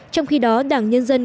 trong khi đó đảng nhân dân